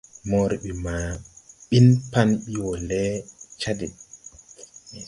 Moore ɓi ma ɓin Pan ɓi wo le Chad.